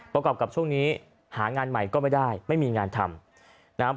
ก็กลับกับช่วงนี้หางานใหม่ก็ไม่ได้ไม่มีงานทำ